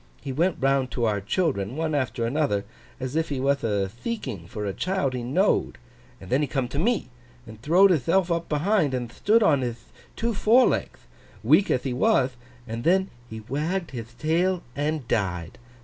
He went round to our children, one after another, as if he wath a theeking for a child he know'd; and then he come to me, and throwd hithelf up behind, and thtood on hith two forelegth, weak ath he wath, and then he wagged hith tail and died.